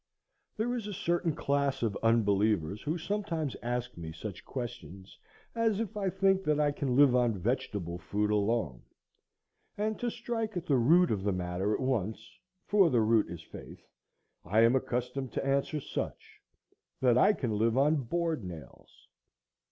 There is a certain class of unbelievers who sometimes ask me such questions as, if I think that I can live on vegetable food alone; and to strike at the root of the matter at once,—for the root is faith,—I am accustomed to answer such, that I can live on board nails.